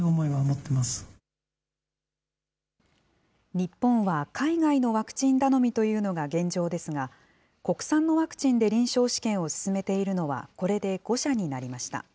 日本は、海外のワクチン頼みというのが現状ですが、国産のワクチンで臨床試験を進めているのは、これで５社になりました。